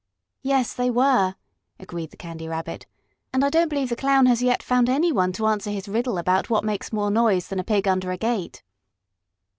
"Yes, they were," agreed the Candy Rabbit. "And I don't believe the Clown has yet found any one to answer his riddle about what makes more noise than a pig under a gate."